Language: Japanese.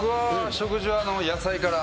食事は野菜から。